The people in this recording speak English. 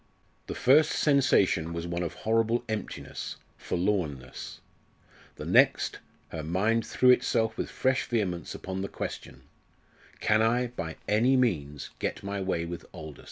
The first sensation was one of horrible emptiness, forlornness. The next her mind threw itself with fresh vehemence upon the question, "Can I, by any means, get my way with Aldous?"